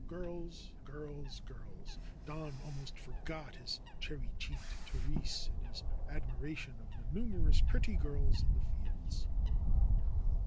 Girls, girls, girls ! Don almost forgot his cherry cheeked Therese in his admiration of the numerous pretty girls in the fields.